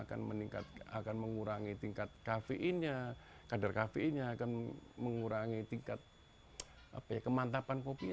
akan mengurangi tingkat kafein nya kadar kafein nya akan mengurangi tingkat kemantapan kopinya